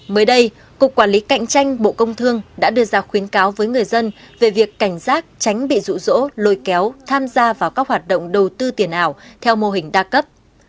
mới đây cục quản lý cạnh tranh bộ công thương đã đưa ra khuyến cáo với người dân về việc cảnh giác tránh bị rụ rỗ lôi kéo tham gia vào các hoạt động đầu tư tiền ảo theo mô hình đa cấp